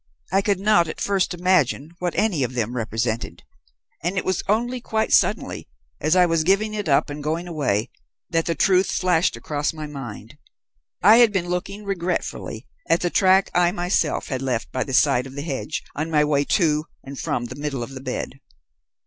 I could not at first imagine what any of them represented, and it was only quite suddenly, as I was giving it up and going away, that the truth flashed across my mind. I had been looking regretfully at the track I myself had left by the side of the hedge on my way to and from the middle of the bed.